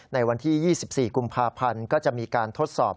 ในวันที่๒๔กุมภาพันธ์ก็จะมีการทดสอบ